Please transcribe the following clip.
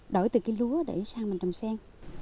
đổi từ cây lúa để sang mình trồng sen